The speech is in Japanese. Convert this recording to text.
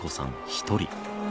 一人。